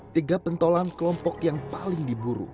tiga pentolan kelompok yang paling diburu